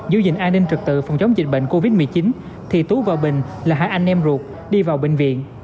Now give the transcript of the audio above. giữ gìn an ninh trực tự phòng chống dịch bệnh covid một mươi chín thì tú và bình là hai anh em ruột đi vào bệnh viện